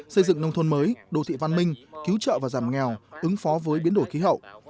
xây dựng nông thôn mới đô thị văn minh cứu trợ và giảm nghèo ứng phó với biến đổi khí hậu